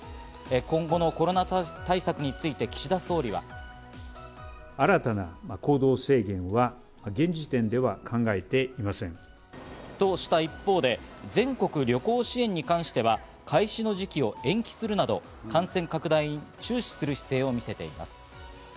今後のコロナ対策について岸田総理は。とした一方で、全国旅行支援に関しては、開始時期を延期するなど、感染拡大に注視する姿勢を見せています。